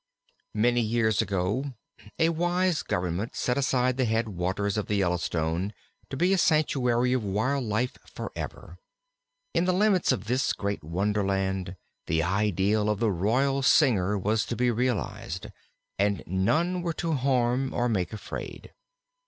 II Many years ago a wise government set aside the head waters of the Yellowstone to be a sanctuary of wildlife forever. In the limits of this great Wonderland the ideal of the Royal Singer was to be realized, and none were to harm or make afraid.